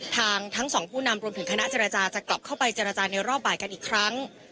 ทั้งสองผู้นำรวมถึงคณะเจรจาจะกลับเข้าไปเจรจาในรอบบ่ายกันอีกครั้ง